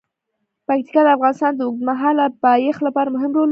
پکتیکا د افغانستان د اوږدمهاله پایښت لپاره مهم رول لري.